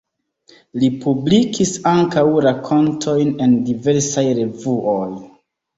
Li publikis ankaŭ rakontojn en diversaj revuoj.